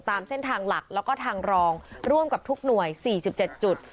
ตามเส้นทางหลักแล้วก็ทางรองร่วมกับทุกหน่วย๔๗จุด